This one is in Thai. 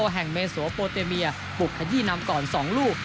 แห่งเมโสโปเตเมียบุกขยี้นำก่อน๒ลูก